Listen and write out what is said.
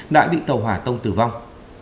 đã bị tàu hỏa tông tử vong